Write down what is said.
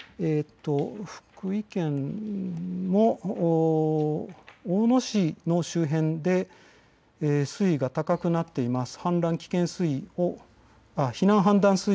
福井県も大野市の周辺で水位が高くなっています。